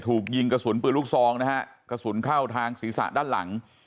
ถูกยิงกระสุนปืนลูกซองนะฮะกระสุนเข้าทางศีรษะด้านหลัง